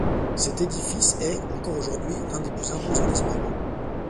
Cet édifice est, encore aujourd'hui, l'un des plus imposants d'Espagne.